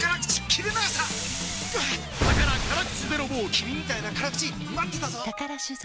君みたいな辛口待ってたぞ！